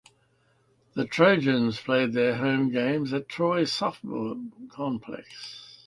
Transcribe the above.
The Trojans played their home games at Troy Softball Complex.